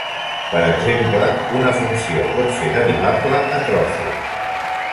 Per exemple, una funció pot ser derivable a trossos.